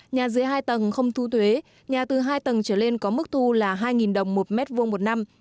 nhà dưới hai tầng không thu thuế nhà từ hai tầng trở lên có mức thu là hai đồng một mét vuông một năm